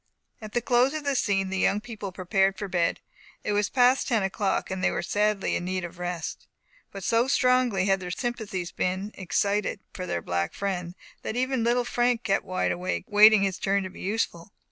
At the close of this scene, the young people prepared for bed. It was past ten o'clock, and they were sadly in need of rest; but so strongly had their sympathies been excited for their black friend, that even little Frank kept wide awake, waiting his turn to be useful.